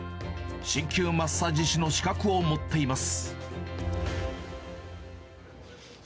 鍼灸マッサージ師の資格を持っています。